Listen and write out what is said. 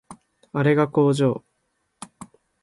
あれが工場